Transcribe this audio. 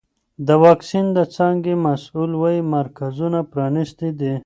د واکسین د څانګې مسؤل وایي مرکزونه پرانیستي دي.